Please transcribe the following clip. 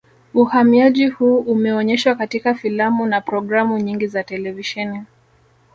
Uhamiaji huu umeonyeshwa katika filamu na programu nyingi za televisheni